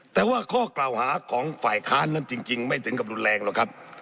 แต่ว่าข้อกล่าวหาของฝ่ายค้านนั้นจริงไม่ถึงกับรุนแรงหรอกครับ